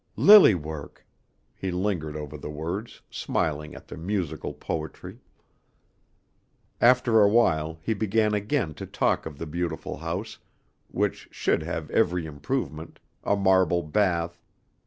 Lily work," he lingered over the words, smiling at their musical poetry. After awhile he began again to talk of the beautiful house which should have every improvement, a marble bath....